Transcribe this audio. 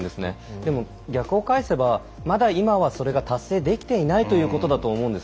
でも逆を返せばまだ今は、それが達成できていないということだと思うんです。